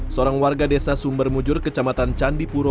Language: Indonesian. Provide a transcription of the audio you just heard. seorang warga desa sumber mujur kecamatan candipuro